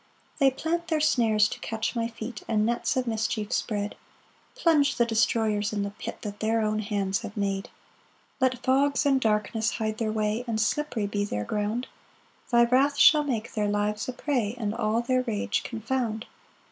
3 They plant their snares to catch my feet, And nets of mischief spread; Plunge the destroyers in the pit That their own hands have made. 4 Let fogs and darkness hide their way, And slippery be their ground; Thy wrath shall make their lives a prey, And all their rage confound.